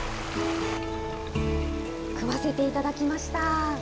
くませていただきました。